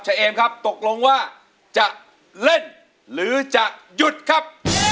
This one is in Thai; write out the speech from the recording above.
เอมครับตกลงว่าจะเล่นหรือจะหยุดครับ